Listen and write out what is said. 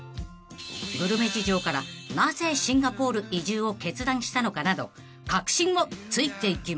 ［グルメ事情からなぜシンガポール移住を決断したのかなど核心をついていきます］